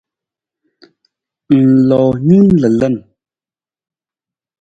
Ng loo nung lalan.